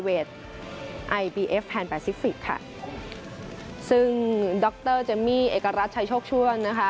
เอฟแทนแปซิฟิกค่ะซึ่งดรเจมมี่เอกรัฐชัยโชคช่วงนะคะ